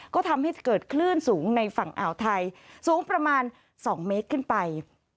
ก็ทำให้เกิดคลื่นสูงในฝั่งอ่าวไทยสูงประมาณ๒เมตรขึ้นไป